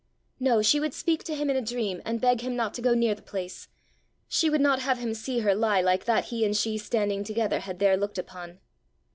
No! She would speak to him in a dream, and beg him not to go near the place! She would not have him see her lie like that he and she standing together had there looked upon!